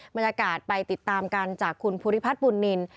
บรรยากาศไปติดตามกันจากคุณภูริพัฒน์บุญนิน